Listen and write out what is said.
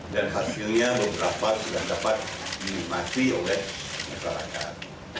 dan hasilnya beberapa sudah dapat dinikmati oleh masyarakat